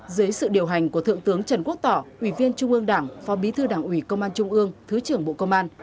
dưới sự điều hành của thượng tướng trần quốc tỏ ủy viên trung ương đảng phó bí thư đảng ủy công an trung ương thứ trưởng bộ công an